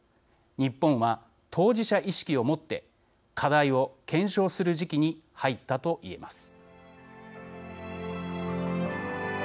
日本は当事者意識をもって課題を検証する時期に入ったと言えます。